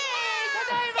ただいま！